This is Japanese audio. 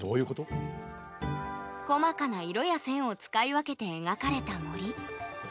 細かな色や線を使い分けて描かれた森。